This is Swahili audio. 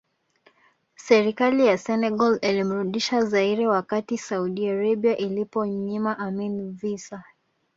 Serikali ya Senegal ilimrudisha Zaire wakati Saudi Arabia ilipomnyima Amin visa